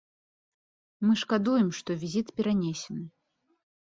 Мы шкадуем, што візіт перанесены.